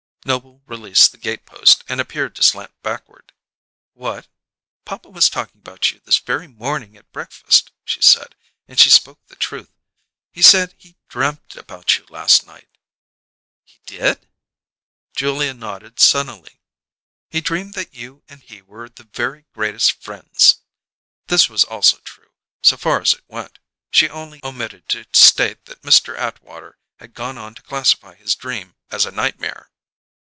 Noble released the gatepost and appeared to slant backward. "What?" "Papa was talking about you this very morning at breakfast," she said; and she spoke the truth. "He said he dreamed about you last night." "He did?" Julia nodded sunnily. "He dreamed that you and he were the very greatest friends!" This also was true, so far as it went; she only omitted to state that Mr. Atwater had gone on to classify his dream as a nightmare.